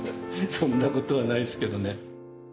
そんなことはないですけどね。